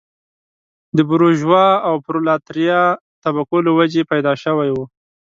د بورژوا او پرولتاریا طبقو له وجهې پیدا شوی و.